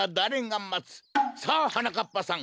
さあはなかっぱさん